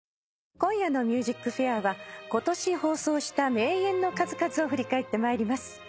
今夜の『ＭＵＳＩＣＦＡＩＲ』は今年放送した名演の数々を振り返ってまいります。